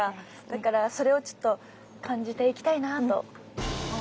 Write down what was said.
だからそれをちょっと感じていきたいなと思ってます。